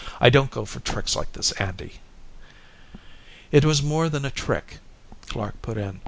I don't go for tricks like this, Andy." "It was more than a trick," Clark put in.